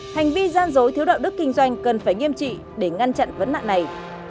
hành vi gian dối thiếu đạo đức kinh doanh cần phải nghiêm trị để ngăn chặn vấn nạn này